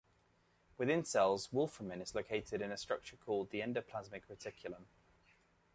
Within cells, wolframin is located in a structure called the endoplasmic reticulum.